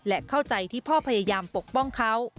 และเข้าใจที่พ่อพยายามปกป้องเขา